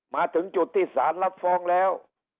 มาถึงจุดที่สารรับฟ้องแล้ว